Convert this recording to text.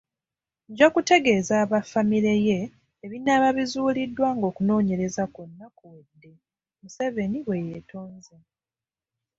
Nja kutegeeza aba famire ye ebinaaba bizuuliddwa ng'okunoonyereza kwonna kuwedde.”Museveni bwe yeetonze.